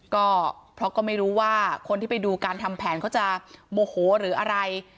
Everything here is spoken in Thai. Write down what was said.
ก็เพราะก็ไม่รู้ว่าคนที่ไปดูการทำแผนเขาจะโมโหหรืออะไร